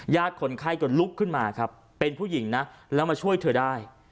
คนไข้ก็ลุกขึ้นมาครับเป็นผู้หญิงนะแล้วมาช่วยเธอได้